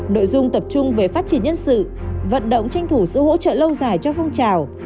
nội dung tập trung về phát triển nhân sự vận động tranh thủ sự hỗ trợ lâu dài cho phong trào